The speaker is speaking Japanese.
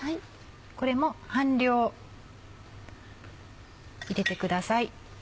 これも半量入れてください。